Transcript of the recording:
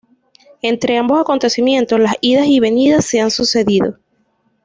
Entre ambos acontecimientos, las idas y venidas se han sucedido.